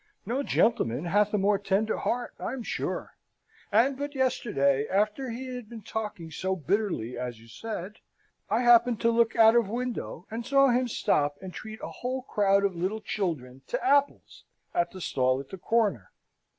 No gentleman hath a more tender heart I am sure; and but yesterday, after he had been talking so bitterly as you said, I happened to look out of window, and saw him stop and treat a whole crowd of little children to apples at the stall at the corner.